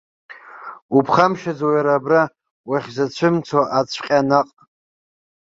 Уԥхамшьаӡои уара абра, уахьзацәымцо ацәҟьа наҟ?!